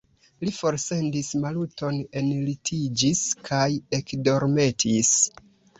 Li forsendis Maluton, enlitiĝis kaj ekdormetis.